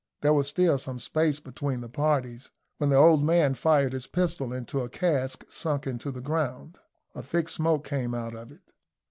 There was still some space between the parties, when the old man fired his pistol into a cask sunk into the ground; a thick smoke came out of it.